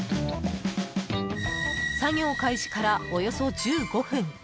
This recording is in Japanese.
作業開始から、およそ１５分。